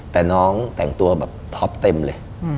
แต่น้องแต่งตัวแบบท็อปเต็มเลย